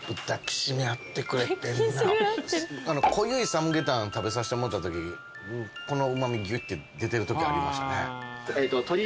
濃ゆいサムゲタン食べさせてもうたときこのうま味ギュッて出てるときありましたね。